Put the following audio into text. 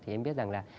thì em biết rằng là